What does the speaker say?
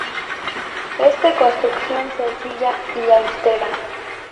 Es de construcción sencilla y austera.